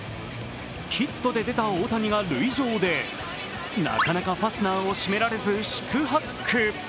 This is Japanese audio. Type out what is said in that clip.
ヒットで出た大谷が塁上でなかなかファスナーをしめられず四苦八苦。